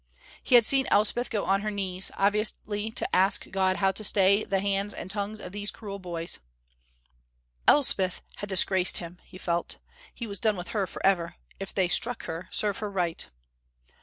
He had seen Elspeth go on her knees, obviously to ask God to stay the hands and tongues of these cruel boys. Elspeth had disgraced him, he felt. He was done with her forever. If they struck her, serve her right.